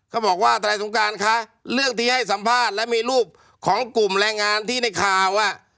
ทนายสงการคะเรื่องที่ให้สัมภาษณ์และมีรูปของกลุ่มแรงงานที่ในข่าวอ่ะ